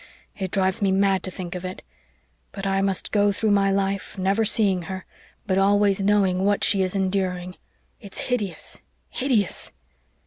It drives me mad to think of it. But I must go through my life, never seeing her, but always knowing what she is enduring. It's hideous hideous!"